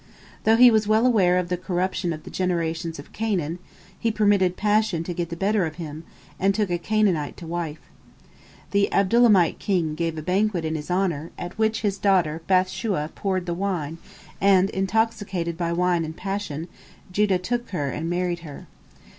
Though he was well aware of the corruption of the generations of Canaan, he permitted passion to get the better of him, and took a Canaanite to wife. The Adullamite king gave a banquet in his honor, at which his daughter Bath shua poured the wine, and intoxicated by wine and passion Judah took her and married her.